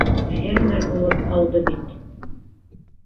Фермер булып алды бит.